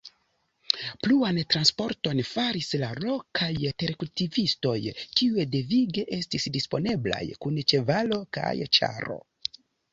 Pluan transporton faris la lokaj terkultivistoj kiuj devige estis disponeblaj kun ĉevalo kaj ĉaro.